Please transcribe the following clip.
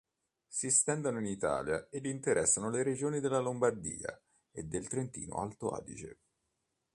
Si estendono in Italia ed interessano le regioni della Lombardia e del Trentino-Alto Adige.